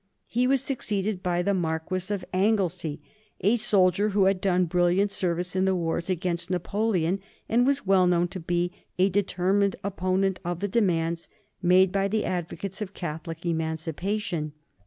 He was succeeded by the Marquis of Anglesey, a soldier who had done brilliant service in the wars against Napoleon, and was well known as a determined opponent of the demands made by the advocates of Catholic emancipation.